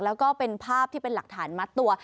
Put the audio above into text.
แล้วก็เป็นภาพที่เป็นหลักฐานมัดตัว